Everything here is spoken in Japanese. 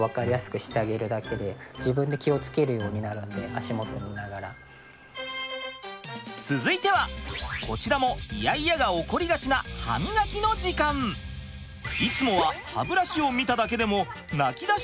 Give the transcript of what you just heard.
おイスとにかく続いてはこちらもイヤイヤが起こりがちないつもは歯ブラシを見ただけでも泣きだしてしまいます。